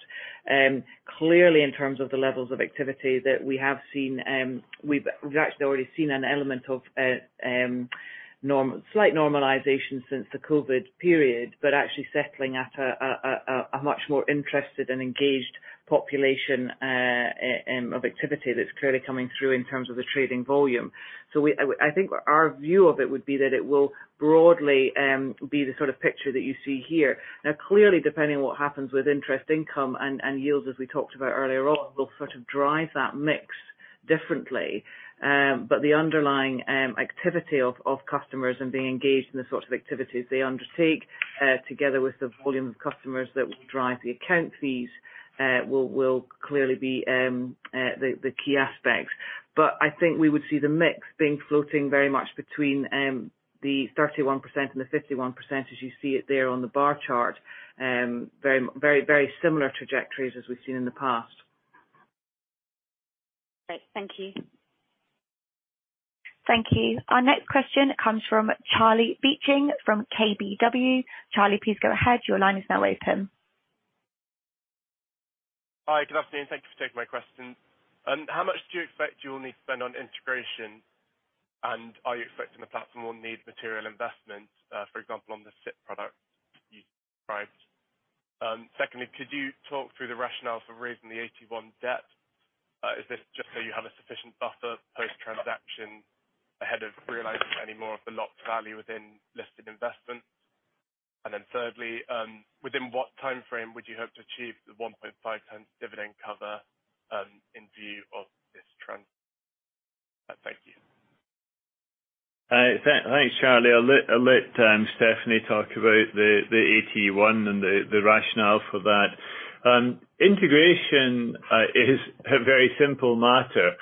Clearly in terms of the levels of activity that we have seen, we've actually already seen an element of slight normalization since the COVID period, but actually settling at a much more interested and engaged population of activity that's clearly coming through in terms of the trading volume. I think our view of it would be that it will broadly be the sort of picture that you see here. Now, clearly, depending on what happens with interest income and yields, as we talked about earlier on, will sort of drive that mix differently. The underlying activity of customers and being engaged in the sorts of activities they undertake, together with the volume of customers that will drive the account fees, will clearly be the key aspects. I think we would see the mix being floating very much between the 31% and the 51% as you see it there on the bar chart. Very similar trajectories as we've seen in the past. Great. Thank you. Thank you. Our next question comes from Charlie Beeching from KBW. Charlie, please go ahead. Your line is now open. Hi. Good afternoon. Thank you for taking my questions. How much do you expect you'll need to spend on integration, and are you expecting the platform will need material investment, for example, on the SIPP product you described? Secondly, could you talk through the rationale for raising the AT1 debt? Is this just so you have a sufficient buffer post-transaction ahead of realizing any more of the locked value within listed investments? Thirdly, within what timeframe would you hope to achieve the 1.5x dividend cover, in view of this trend? Thank you. Thanks, Charlie. I'll let Stephanie talk about the AT1 and the rationale for that. Integration is a very simple matter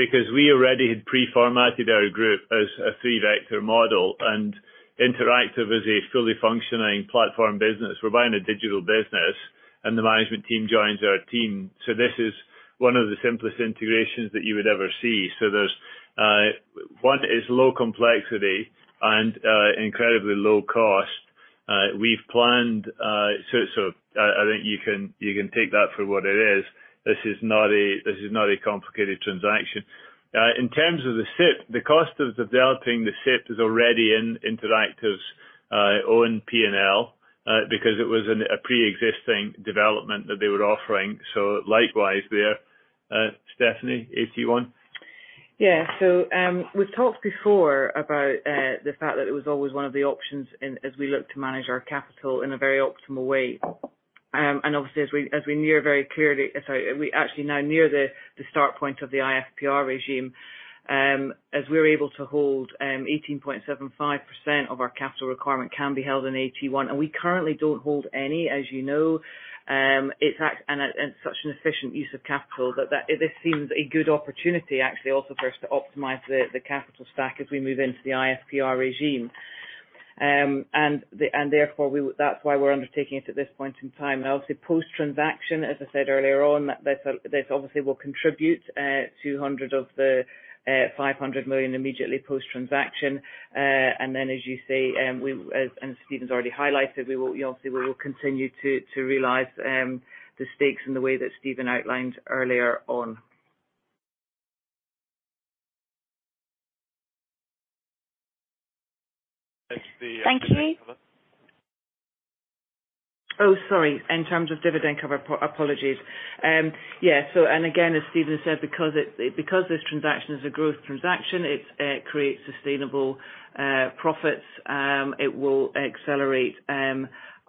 because we already had preformatted our group as a three-vector model, and Interactive is a fully functioning platform business. We're buying a digital business and the management team joins our team. This is one of the simplest integrations that you would ever see. There's one, it's low complexity and incredibly low cost. I think you can take that for what it is. This is not a complicated transaction. In terms of the SIPP, the cost of developing the SIPP is already in Interactive's own P&L because it was a preexisting development that they were offering. Likewise there. Stephanie, AT1. We've talked before about the fact that it was always one of the options as we look to manage our capital in a very optimal way. Obviously as we near the start point of the IFPR regime, as we're able to hold 18.75% of our capital requirement can be held in AT1, and we currently don't hold any, as you know. It's such an efficient use of capital that this seems a good opportunity actually also for us to optimize the capital stack as we move into the IFPR regime. Therefore, that's why we're undertaking it at this point in time. Obviously, post-transaction, as I said earlier on, this obviously will contribute 200 million of the 500 million immediately post-transaction. Then as you say, Stephen's already highlighted, we will, you know, obviously we will continue to realize the stakes in the way that Stephen outlined earlier on. Thank you. Sorry. In terms of dividend cover. Apologies. Yeah. Again, as Stephen said, because this transaction is a growth transaction, it creates sustainable profits.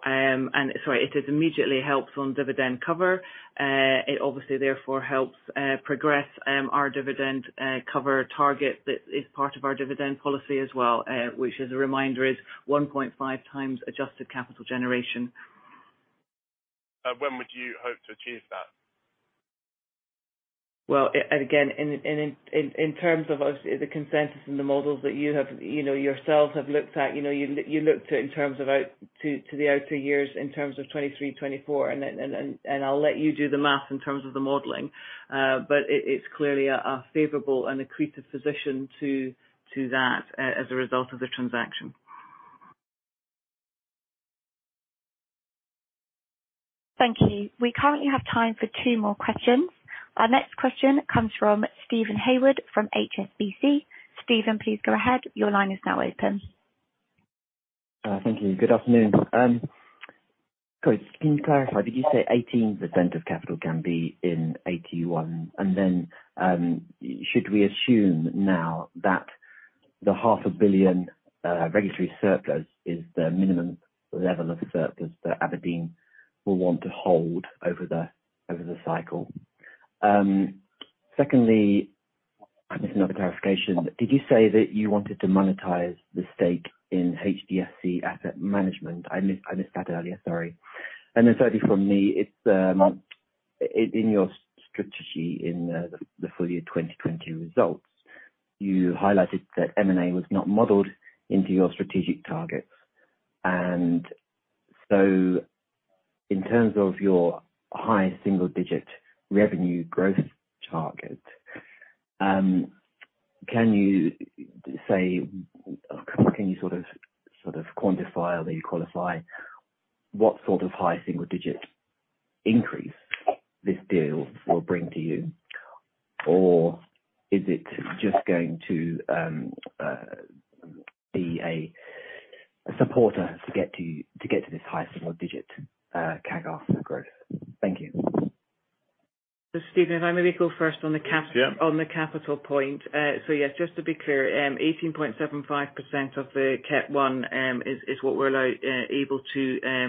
It immediately helps on dividend cover. It obviously therefore helps progress our dividend cover target that is part of our dividend policy as well, which as a reminder, is 1.5x adjusted capital generation. When would you hope to achieve that? Well, and again, in terms of obviously the consensus and the models that you have, you know, yourselves have looked at, you know, you looked at in terms of out to the outer years in terms of 2023, 2024. I'll let you do the math in terms of the modeling. It's clearly a favorable and accretive position to that as a result of the transaction. Thank you. We currently have time for two more questions. Our next question comes from Steven Haywood from HSBC. Steven, please go ahead. Your line is now open. Thank you. Good afternoon. Can you clarify, did you say 18% of capital can be in AT1? Should we assume now that the 500 million regulatory surplus is the minimum level of surplus that Aberdeen will want to hold over the cycle? Secondly, I missed another clarification. Did you say that you wanted to monetize the stake in HDFC Asset Management? I missed that earlier. Sorry. Then thirdly from me, in your strategy in the full year 2020 results, you highlighted that M&A was not modeled into your strategic targets. In terms of your high single-digit revenue growth target, can you sort of quantify or qualify what sort of high single digit increase this deal will bring to you? Is it just going to be a supporter to get to this high single digit CAGR growth? Thank you. Steven Haywood, if I may go first on the cap- Yeah. On the capital point. Yes, just to be clear, 18.75% of the CET1 is what we're allowed to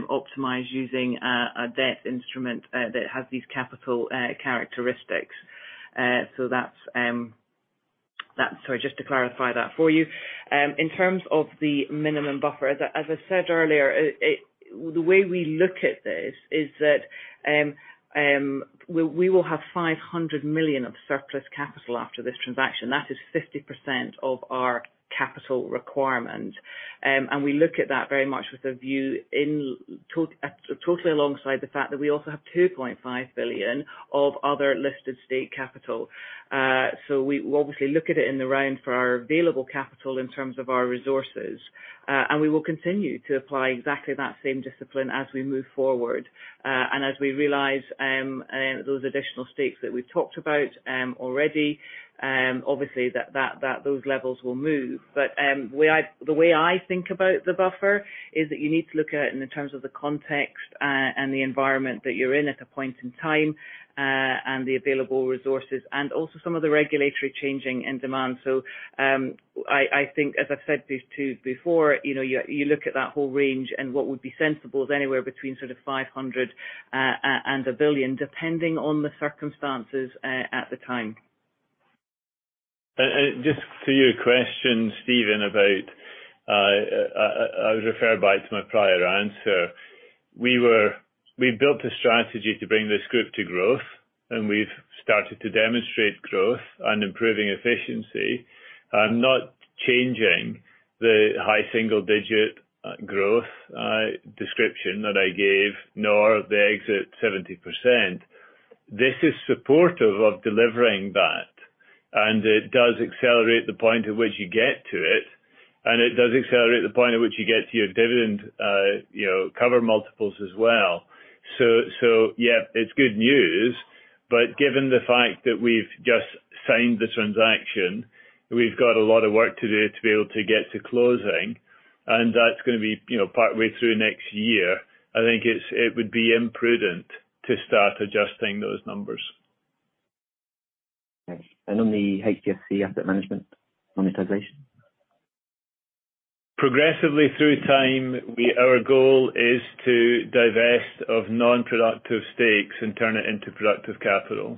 optimize using a debt instrument that has these capital characteristics. Sorry, just to clarify that for you. In terms of the minimum buffer, as I said earlier, it's the way we look at this is that we will have 500 million of surplus capital after this transaction. That is 50% of our capital requirement. We look at that very much with a view in totality alongside the fact that we also have 2.5 billion of other listed statutory capital. We obviously look at it in the round for our available capital in terms of our resources. We will continue to apply exactly that same discipline as we move forward. As we realize those additional stakes that we've talked about already, obviously that those levels will move. The way I think about the buffer is that you need to look at it in terms of the context and the environment that you're in at a point in time and the available resources and also some of the regulatory changes and demand. I think as I've said this too before, you know, you look at that whole range and what would be sensible is anywhere between sort of 500 million and 1 billion, depending on the circumstances at the time. Just to your question, Steven, about I would refer back to my prior answer. We built a strategy to bring this group to growth, and we've started to demonstrate growth and improving efficiency. I'm not changing the high single-digit growth description that I gave, nor the exit 70%. This is supportive of delivering that, and it does accelerate the point at which you get to it, and it does accelerate the point at which you get to your dividend, you know, cover multiples as well. Yeah, it's good news, but given the fact that we've just signed the transaction, we've got a lot of work to do to be able to get to closing, and that's gonna be, you know, partway through next year. I think it would be imprudent to start adjusting those numbers. Okay. On the HDFC Asset Management monetization. Progressively through time, our goal is to divest of non-productive stakes and turn it into productive capital.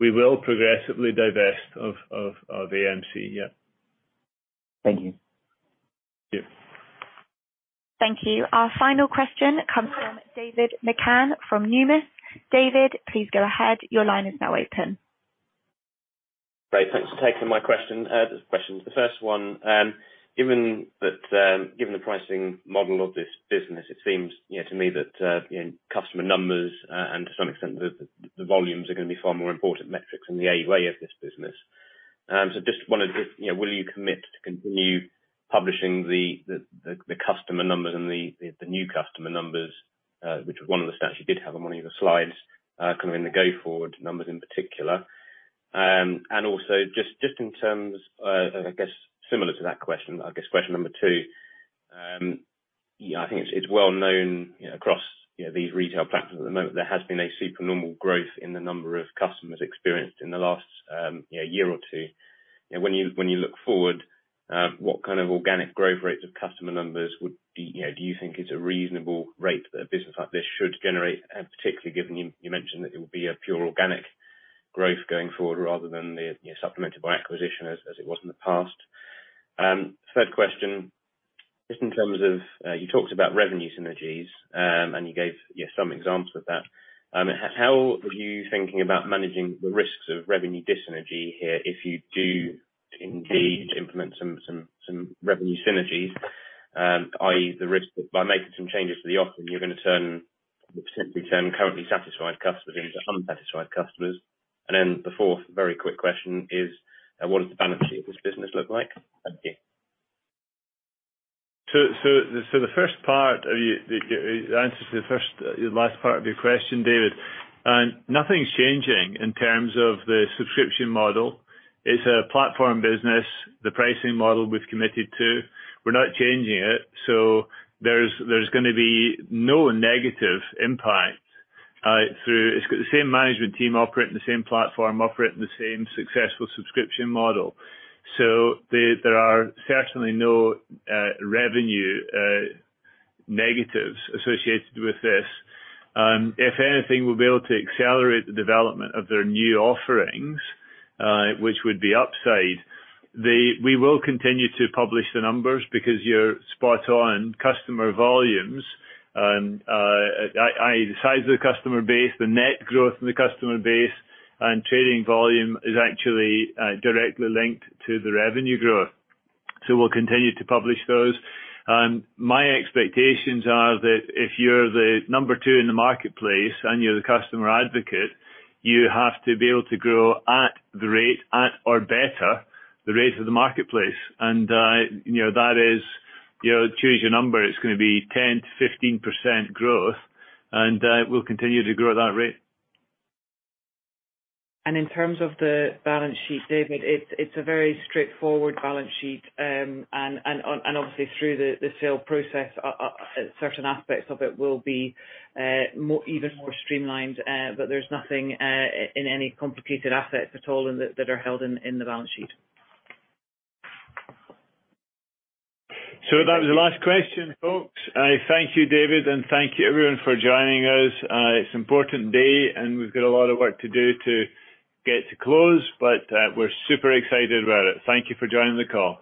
We will progressively divest of AMC. Yeah. Thank you. Yeah. Thank you. Our final question comes from David McCann from Numis. David, please go ahead. Your line is now open. Great. Thanks for taking my question, questions. The first one, given the pricing model of this business, it seems, you know to me that, you know, customer numbers, and to some extent the volumes are gonna be far more important metrics in the AUA of this business. So just wondered if, you know, will you commit to continue publishing the customer numbers and the new customer numbers, which was one of the stats you did have on one of your slides, kind of in the go forward numbers in particular. And also just in terms, I guess similar to that question, I guess question number two. Yeah, I think it's well known, you know, across you know these retail platforms at the moment, there has been a supernormal growth in the number of customers experienced in the last you know year or two. You know, when you look forward, what kind of organic growth rates of customer numbers would be reasonable. You know, do you think is a reasonable rate that a business like this should generate, particularly given you mentioned that it will be a pure organic growth going forward rather than the you know supplemented by acquisition as it was in the past. Third question, just in terms of you talked about revenue synergies and you gave some examples of that. How were you thinking about managing the risks of revenue dis-synergy here if you do indeed implement some revenue synergies? I.e., the risk by making some changes to the offering, you're gonna potentially turn currently satisfied customers into unsatisfied customers. The fourth very quick question is, what does the balance sheet of this business look like? Thank you. The answer to the last part of your question, David. Nothing's changing in terms of the subscription model. It's a platform business. The pricing model we've committed to. We're not changing it, so there's gonna be no negative impact through. It's got the same management team operating the same platform, operating the same successful subscription model. There are certainly no revenue negatives associated with this. If anything, we'll be able to accelerate the development of their new offerings, which would be upside. We will continue to publish the numbers because you're spot on. Customer volumes, i.e., the size of the customer base, the net growth in the customer base and trading volume is actually directly linked to the revenue growth. We'll continue to publish those. My expectations are that if you're the number two in the marketplace and you're the customer advocate, you have to be able to grow at the rate, at or better, the rate of the marketplace. You know, that is, you know, choose your number. It's gonna be 10%-15% growth. We'll continue to grow at that rate. In terms of the balance sheet, David, it's a very straightforward balance sheet. Obviously through the sales process, certain aspects of it will be even more streamlined. But there's nothing in any complicated assets at all that are held in the balance sheet. That was the last question, folks. I thank you, David, and thank you everyone for joining us. It's an important day, and we've got a lot of work to do to get to close, but we're super excited about it. Thank you for joining the call.